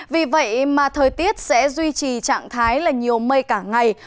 vì vậy mà thời tiết sẽ duy trì trạng thái là nhiều mây cả ngày